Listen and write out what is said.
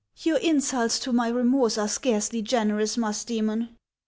" Your insults to my remorse are scarcely generous, Alusdcemon."